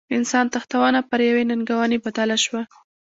انسان تښتونه پر یوې ننګونې بدله شوه.